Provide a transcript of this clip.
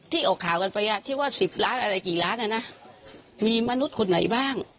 ออกข่าวกันไปที่ว่า๑๐ล้านอะไรกี่ล้านอ่ะนะมีมนุษย์คนไหนบ้าง